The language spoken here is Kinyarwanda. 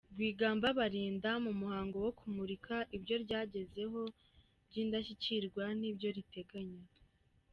Rwigamba Balinda, mu muhango wo kumurika ibyo ryagezeho byindashyikirwa n’ibyo riteganya.